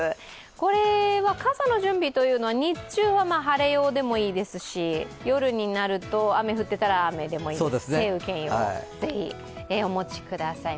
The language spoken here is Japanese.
これは傘の準備というのは日中は晴れ用でもいいですし夜になると雨、降ってたら晴雨兼用ぜひお持ちください。